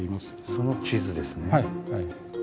その地図ですね。